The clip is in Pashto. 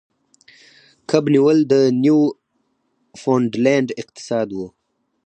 کب نیول د نیوفونډلینډ اقتصاد و.